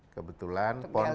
kebetulan pon tidak jadi